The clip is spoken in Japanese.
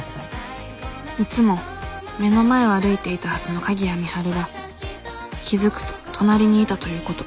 いつも目の前を歩いていたはずの鍵谷美晴が気付くと隣にいたということ